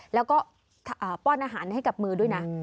แล้วก็ป้อนอาหารให้กับมือด้วยนะ